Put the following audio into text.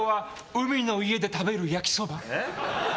海の家で食べる焼きそば？え？